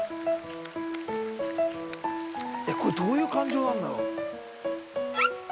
これどういう感情なんだろう？